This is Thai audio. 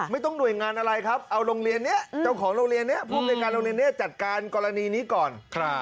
หน่วยงานอะไรครับเอาโรงเรียนนี้เจ้าของโรงเรียนนี้ภูมิในการโรงเรียนนี้จัดการกรณีนี้ก่อน